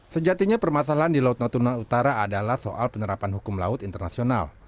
sejatinya permasalahan di laut natuna utara adalah soal penerapan hukum laut internasional